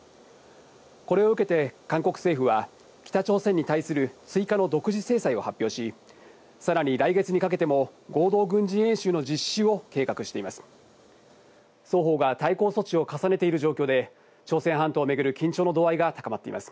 これを受けて韓国政府は、北朝鮮に対する追加の独自制裁を発表し、さらに来月にかけても合同軍事演習の実施を計画しています。